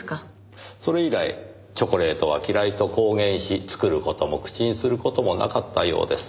それ以来チョコレートは嫌いと公言し作る事も口にする事もなかったようです。